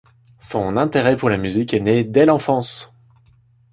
Son intérêt pour la musique est né dès l'enfance.